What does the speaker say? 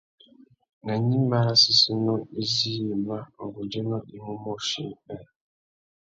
Nà gnïmá râ séssénô izí yïmá, ngundzénô i mú môchï : nhêê.